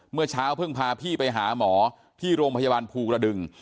เมื่อเช้าเพิ่งพาพี่ไปหาหมอที่โรงพยาบาลภูกระดึง